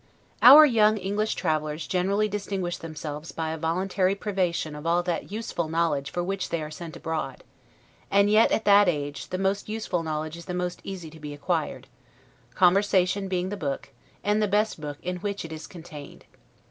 Our young English travelers generally distinguish themselves by a voluntary privation of all that useful knowledge for which they are sent abroad; and yet, at that age, the most useful knowledge is the most easy to be acquired; conversation being the book, and the best book in which it is contained.